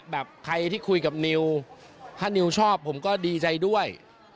แบบใครที่คุยกับนิวถ้านิวชอบผมก็ดีใจด้วย